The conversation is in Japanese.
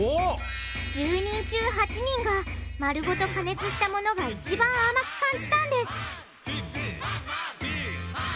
１０人中８人が丸ごと加熱したものが一番甘く感じたんです！